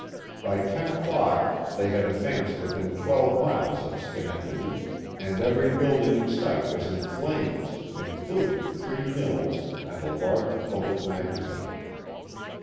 By ten o'clock they had advanced within twelve miles of Schenectady, and every building in sight was in flames, including three mills and a large public magazine.